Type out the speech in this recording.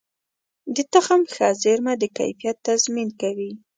د تخم ښه زېرمه د کیفیت تضمین کوي.